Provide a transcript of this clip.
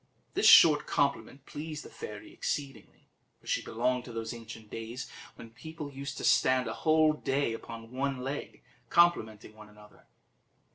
This short compliment pleased the fairy exceedingly, for she belonged to those ancient days when people used to stand a whole day upon one leg complimenting one another.